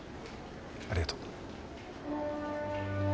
ありがとう。